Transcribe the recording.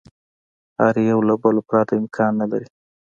هر یوه له بله پرته امکان نه لري.